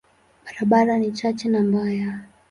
Barabara ni chache na mbaya.